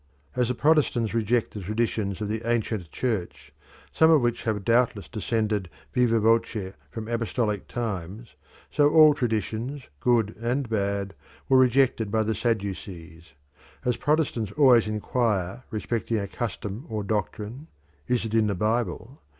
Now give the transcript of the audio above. As the Protestants reject the traditions of the ancient Church, some of which have doubtless descended viva voce from apostolic times, so all traditions, good and bad, were rejected by the Sadducees. As Protestants always inquire respecting a custom or doctrine, "Is it in the Bible?"